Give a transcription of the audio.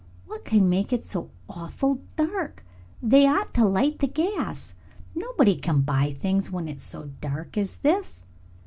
"What can make it so awful dark? They ought to light the gas. Nobody can buy things when it's so dark as this."